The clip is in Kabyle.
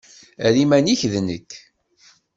Err iman-ik d nekk.